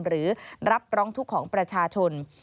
หรือรับร้องทุกข์ของประชาชน